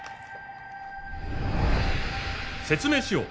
説明しよう！